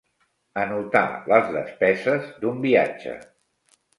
Anotar les despeses d'un viatge.